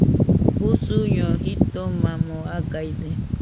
Usuño jitomamo agaide.